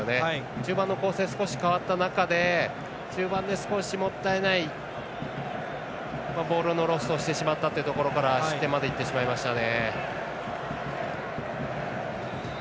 中盤の構成、少し変わった中で中盤でもったいないボールのロスをしてしまったというところから失点までいってしまいましたね。